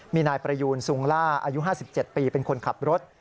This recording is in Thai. มีนายประยูนซุงล่าอายุ๕๗ปีเป็นคนขับรถ